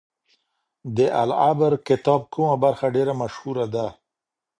د العبر کتاب کومه برخه ډیره مشهوره ده؟